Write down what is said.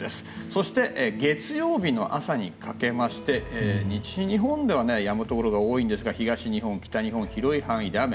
そして、月曜日の朝にかけまして西日本ではやむところが多いんですが東日本、北日本は広い範囲で雨。